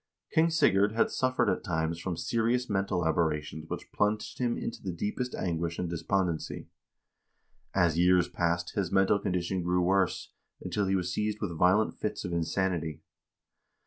King Sigurd had suffered at times from serious mental aberra tions which plunged him into the deepest anguish and despondency. As years passed, his mental condition grew worse, until he was seized with violent fits of insanity.